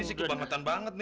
ini udah hilang